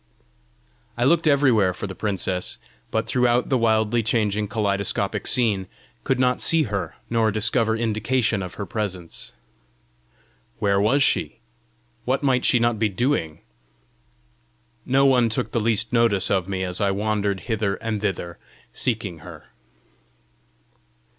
I looked everywhere for the princess, but throughout the wildly changing kaleidoscopic scene, could not see her nor discover indication of her presence. Where was she? What might she not be doing? No one took the least notice of me as I wandered hither and thither seeking her.